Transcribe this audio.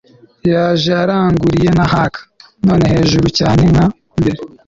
Yaje aranguruye na hark nanone hejuru cyane nka mbere